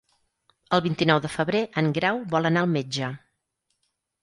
El vint-i-nou de febrer en Grau vol anar al metge.